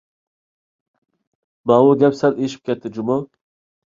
ماۋۇ گەپ سەل ئېشىپ كەتتى جۇمۇ!